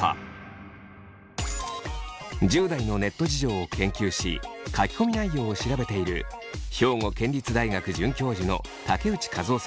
１０代のネット事情を研究し書き込み内容を調べている兵庫県立大学准教授の竹内和雄さんはこの結果を。